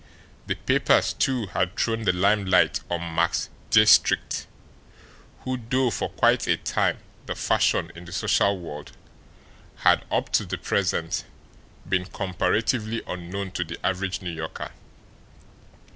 The papers, too, had thrown the limelight on Max Diestricht, who, though for quite a time the fashion in the social world, had, up to the present, been comparatively unknown to the average New Yorker.